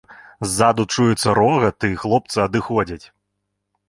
Ззаду чуецца рогат, і хлопцы адыходзяць.